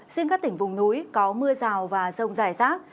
riêng các tỉnh vùng núi có mưa rào và rông rải rác